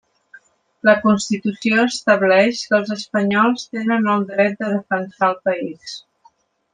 La Constitució estableix que els espanyols tenen el dret de defensar el país.